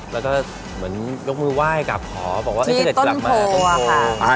แล้วก็เหมือนยกมือไหว้กลับขอบอกว่าไอ้เธอจะกลับมา